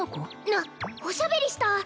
なっおしゃべりした！